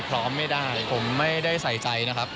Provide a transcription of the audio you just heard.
พร้อมไม่ได้ผมไม่ได้ใส่ใจนะครับ